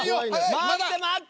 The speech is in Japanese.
［待って待って！